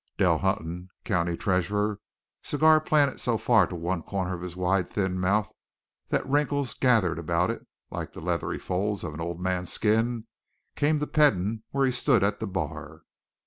Dell Hutton, county treasurer, cigar planted so far to one corner of his wide thin mouth that wrinkles gathered about it like the leathery folds of an old man's skin, came to Peden where he stood at the bar.